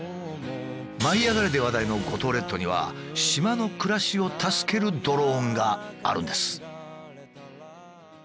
「舞いあがれ！」で話題の五島列島には島の暮らしを助けるドローンがあるんです。